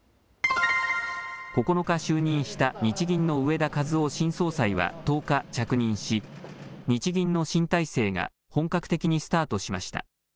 ９日、就任した日銀の植田和男新総裁は１０日、着任し日銀の新体制が本格的にスタートしました。